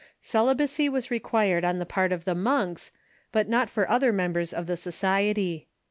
Celibacy was required on the part of the monks, but not for other members of the society.